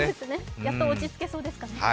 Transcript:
やっと落ち着けそうですかね。